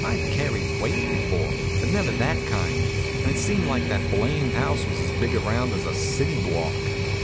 ] I've carried weight before, but never that kind, and it seemed like that blamed house was as big around as a city block.